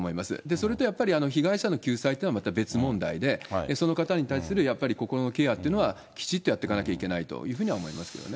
それとやっぱり被害者の救済っていうのはまた別問題で、その方に対するやっぱり心のケアっていうのは、きちっとやっていかなきゃいけないというふうには思いますけどね。